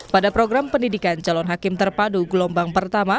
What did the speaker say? pada program pendidikan calon hakim terpadu gelombang pertama